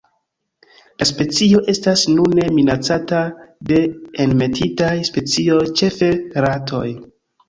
La specio estas nune minacata de enmetitaj specioj, ĉefe ratoj.